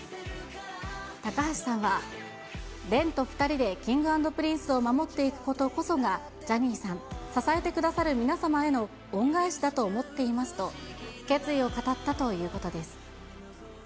高橋さんは、廉と２人でＫｉｎｇ＆Ｐｒｉｎｃｅを守っていくことこそが、ジャニーさん、支えてくださる皆様への恩返しだと思っていますと、決意を語ったということです。